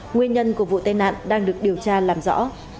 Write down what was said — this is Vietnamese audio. nguyên nhân của vụ tai nạn đang được điều tra làm rõ